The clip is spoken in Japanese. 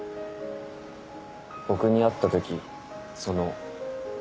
僕に会ったときその。